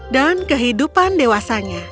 dan kehidupan dewasanya